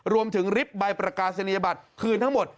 รวมถึงริบใบประกาศศิลปัตย์คืนทั้งหมด